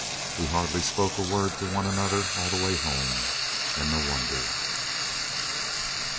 We hardly spoke a word to one another all the way home, and no wonder.